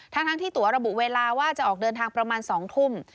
ทั้งที่ตัวระบุเวลาว่าจะออกเดินทางประมาณ๒ทุ่ม